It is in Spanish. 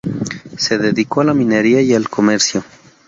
Se dedicó a la minería y el comercio.